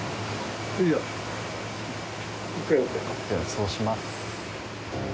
そうします。